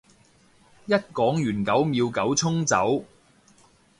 一講完九秒九衝走